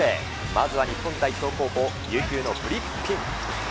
まずは日本代表候補、琉球のフリッピン。